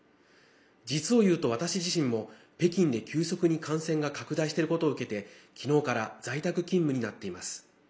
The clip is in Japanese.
実を言うと、私自身も北京で急速に感染が拡大してることを受けてきのうから在宅勤務になっています。